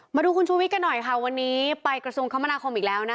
มาดูคุณชูวิทย์กันหน่อยค่ะวันนี้ไปกระทรวงคมนาคมอีกแล้วนะคะ